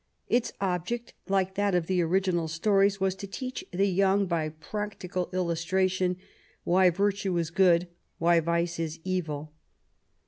Its object, like that of the Original Stories, was to teach the young, by practical illustration, why virtue is good, why vice is evil.